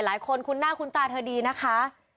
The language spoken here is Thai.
หลายคนคุณหน้าคุณตาเธอดีนะคะ